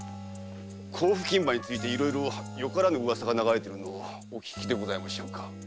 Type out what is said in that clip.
甲府勤番についていろいろよからぬ噂が流れているのをお聞きでございましょうか？